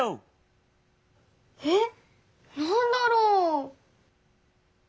えっなんだろう？